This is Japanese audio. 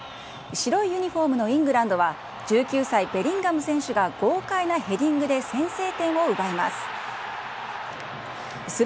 白いユニホームのイングランドは、１９歳、ベリンガム選手が豪快なヘディングで先制点を奪います。